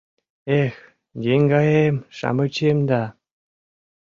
Эх, еҥгаем-шамычем да